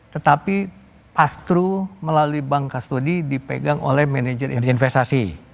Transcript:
tetapi pass through melalui bank kastodi dipegang oleh manajer investasi